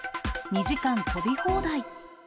２時間飛び放題。